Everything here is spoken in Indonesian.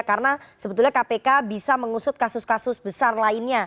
karena sebetulnya kpk bisa mengusut kasus kasus besar lainnya